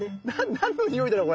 何のにおいだろう？